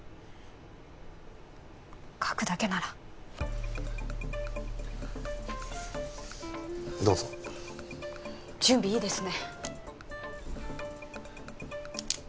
書くだけならどうぞ準備いいですね